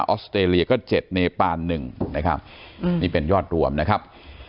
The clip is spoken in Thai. อสเตรเลียก็๗เนปาน๑นะครับนี่เป็นยอดรวมนะครับ